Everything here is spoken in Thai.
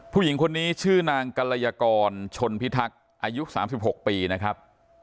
ผู้หญิงคนนี้ชื่อนางกรยากรชนพิทักษ์อายุ๓๖ปีนะครับ